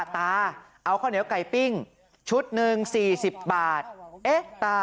ตาเอาข้าวเหนียวไก่ปิ้งชุดหนึ่ง๔๐บาทเอ๊ะตา